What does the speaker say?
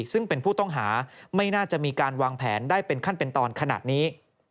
ซึ่งเป็นผู้ต้องหาไม่น่าจะมีการวางแผนได้เป็นขั้นเป็นตอนขนาดนี้